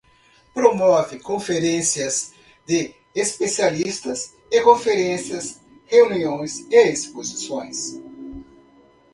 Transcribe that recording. Promove conferências de especialistas e conferências, reuniões e exposições.